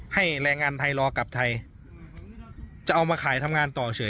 แรงงานไทยรอกลับไทยจะเอามาขายทำงานต่อเฉย